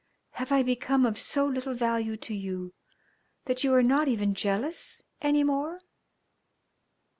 Have I become of so little value to you that you are not even jealous any more?"